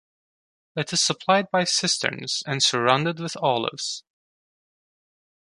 It is supplied by cisterns and surrounded with olives.